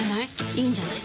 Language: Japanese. いいんじゃない？